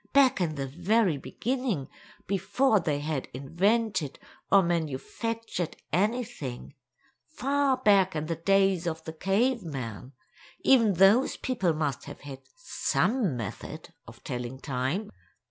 Back in the very beginning, before they had invented or manufactured anything—far back in the days of the caveman—even those people must have had some method of telling time.